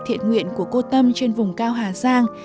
thiện nguyện của cô tâm trên vùng cao hà giang